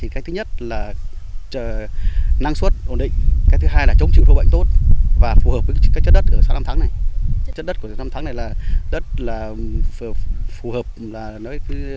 kể cả ruộng cao